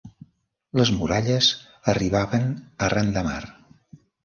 Les muralles arribaven arran de mar.